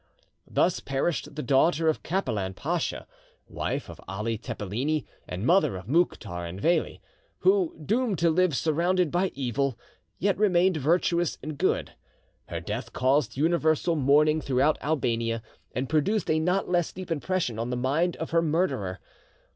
Thus perished the daughter of Capelan Pacha, wife of Ali Tepeleni, and mother of Mouktar and Veli, who, doomed to live surrounded by evil, yet remained virtuous and good. Her death caused universal mourning throughout Albania, and produced a not less deep impression on the mind of her murderer.